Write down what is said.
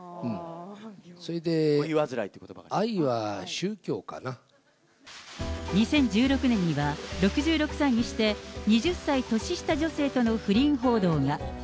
それで、２０１６年には、６６歳にして２０歳年下女性との不倫報道。